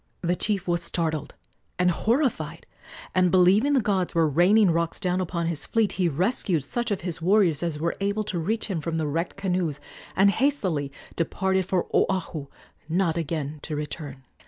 The chief was startled and horrified, and, believing the gods were raining rocks down upon his fleet, he rescued such of his warriors as were able to reach him from the wrecked canoes, and hastily departed for Oahu, not again to return.